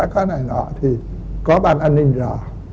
thế này nọ thì có ban an ninh rõ